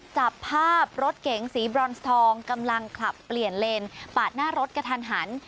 จับภาพรถเก๋งสีบรอนทองกำลังขับเปลี่ยนเลนปาดหน้ารถกระทันหัน